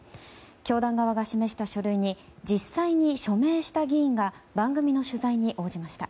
教団側が示した書類に実際に署名した議員が番組の取材に応じました。